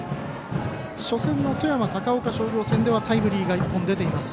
初戦の富山、高岡商業戦ではタイムリーが１本出ています。